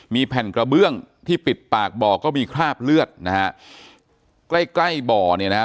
มีแผ่นกระเบื้องที่ปิดปากบ่อก็มีคราบเลือดนะฮะใกล้ใกล้บ่อเนี่ยนะฮะ